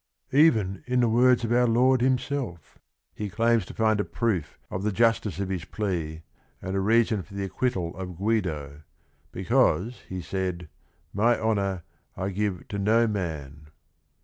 Even in the words of our Lord Himself he claims to find a proof of the justice of his plea and a reason for the acquittal of Guido, because he said " my honour I give to no man."